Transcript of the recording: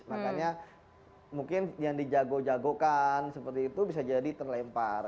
makanya mungkin yang dijago jagokan seperti itu bisa jadi terlempar